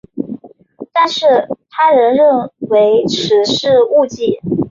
但是他人认为此是误记。